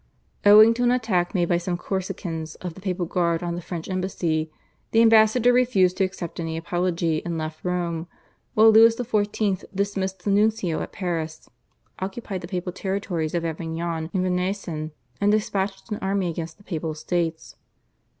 Owing to an attack made by some Corsicans of the papal guard on the French embassy, the ambassador refused to accept any apology and left Rome, while Louis XIV. dismissed the nuncio at Paris, occupied the papal territories of Avignon and Venaissin, and despatched an army against the Papal States.